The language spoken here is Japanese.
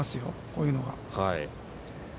こういうのは。